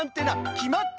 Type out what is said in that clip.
きまった！